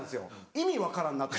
意味分からんなと。